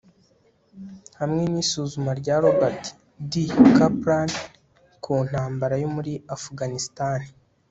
hamwe nisuzuma rya Robert D Kaplan ku ntambara yo muri Afuganisitani